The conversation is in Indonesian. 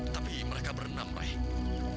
tapi mereka berenam pak